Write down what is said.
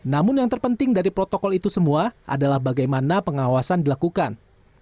namun yang terpenting dari protokol itu semua adalah bagaimana pengawasan dilakukan